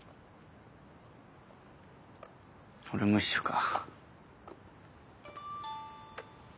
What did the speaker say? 俺も一緒か。